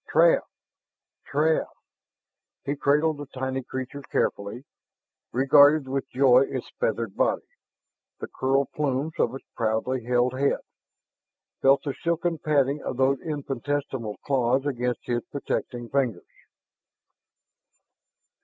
"Trav! Trav!" He cradled the tiny creature carefully, regarded with joy its feathered body, the curled plumes on its proudly held head, felt the silken patting of those infinitesimal claws against his protecting fingers.